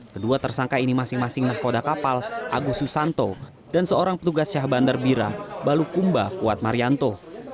kedua tersangka ini masing masing anak koda kapal agus susanto dan seorang petugasnya bandar bira bulu kumbah kuat marianto